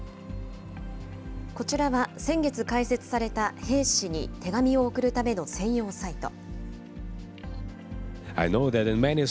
こちらは先月開設された兵士に手紙を送るための専用サイト。